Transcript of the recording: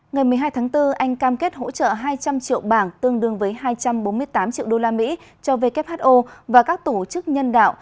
ngày một mươi hai tháng bốn anh cam kết hỗ trợ hai trăm linh triệu bảng tương đương với hai trăm bốn mươi tám triệu đô la mỹ cho who và các tổ chức nhân đạo